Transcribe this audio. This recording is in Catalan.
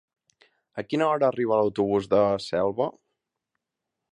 A quina hora arriba l'autobús de Selva?